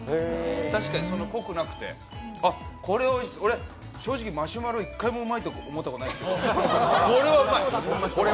確かに濃くなくて、これは俺、正直マシュマロ、１回もうまいと思ったことないんですけど、これはうまい！